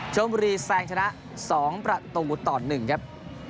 ชมบุรีแซงชนะ๒ประตูต่อ๑ครับ